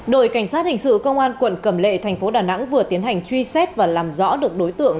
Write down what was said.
đội cảnh sát hình sự công an quận cẩm lệ tp đà nẵng vừa tiến hành truy xét và làm rõ được đối tượng